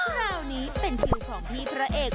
คราวนี้เป็นคิวของพี่พระเอก